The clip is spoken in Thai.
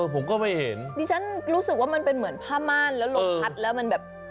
ผมก็ไม่เห็นดิฉันรู้สึกว่ามันเป็นเหมือนผ้าม่านแล้วลมพัดแล้วมันแบบ